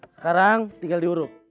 sekarang tinggal diuruk